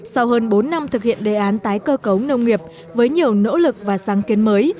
sau hơn bốn năm thực hiện đề án tái cơ cấu nông nghiệp với nhiều nỗ lực và sáng kiến mới